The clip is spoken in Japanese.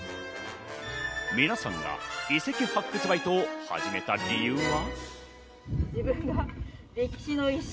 皆さんが遺跡発掘バイトを始めた理由は。